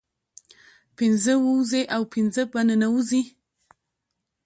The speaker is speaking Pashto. پنځه ووزي او پنځه په ننوزي